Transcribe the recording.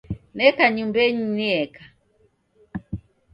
Neka nyumbenyi nieka